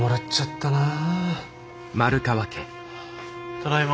ただいま。